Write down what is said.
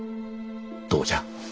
どうじゃ？